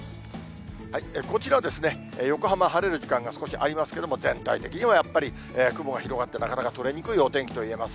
こちら、横浜晴れる時間帯が少しありますけれども、全体的にはやっぱり雲が広がってなかなか取れにくいお天気といえます。